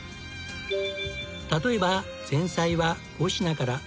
例えば前菜は５品から３品に。